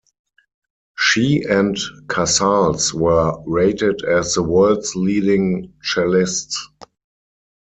She and Casals were rated as the world's leading cellists.